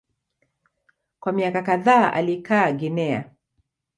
Kwa miaka kadhaa alikaa Guinea.